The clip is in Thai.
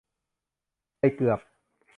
ไปเกือบ